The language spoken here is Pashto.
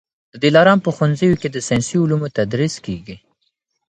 د دلارام په ښوونځیو کي د ساینسي علومو تدریس کېږي